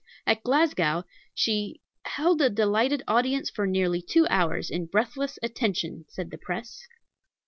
At Glasgow "she held a delighted audience for nearly two hours in breathless attention," said the press.